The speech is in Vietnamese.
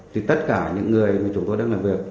thì tất cả những người mà chúng tôi đang làm việc